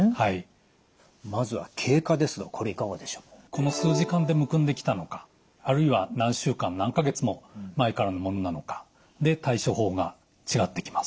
この数時間でむくんできたのかあるいは何週間何か月も前からのものなのかで対処法が違ってきます。